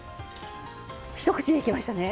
一口でいきましたね。